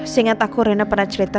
seingat aku rina pernah cerita